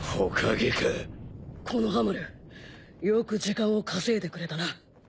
木ノ葉丸よく時間を稼いでくれたな。